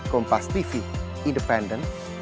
kompas tv independen